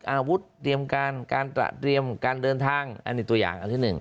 อาวุธเตรียมการการเตรียมการเดินทางอันนี้ตัวอย่างอันที่๑